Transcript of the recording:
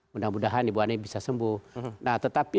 mudah mudahan ibu ani bisa sembuh